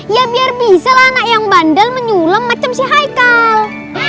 ya biar bisa lah anak yang bandel menyulem macam si haikal